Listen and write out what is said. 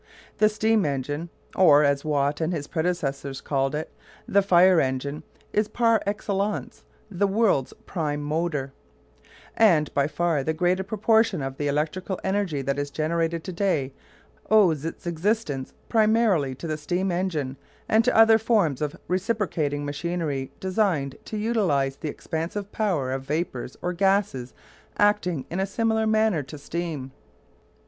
The steam engine or, as Watt and his predecessors called it, the "fire engine" is par excellence the world's prime motor; and by far the greater proportion of the electrical energy that is generated to day owes its existence primarily to the steam engine and to other forms of reciprocating machinery designed to utilise the expansive power of vapours or gases acting in a similar manner to steam.